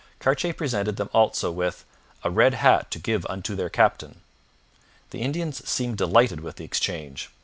Cartier presented them also with 'a red hat to give unto their captain.' The Indians seemed delighted with the exchange.